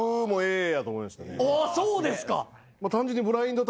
おそうですか？